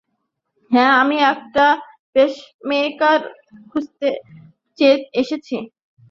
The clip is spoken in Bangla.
হ্যাঁ, আমি একটা পেসমেকার খুঁজতে এসেছি।